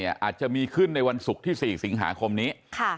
อาจจะมีขึ้นในวันศุกร์ที่๔สิงหาคมนี้